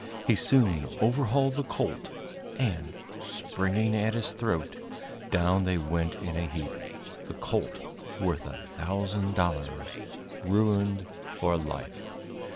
He soon overhauled the colt, and, springing at his throat, down they went in a heap the colt, worth a thousand dollars, ruined for life.